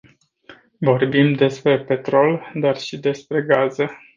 Vorbim despre petrol, dar și despre gaze.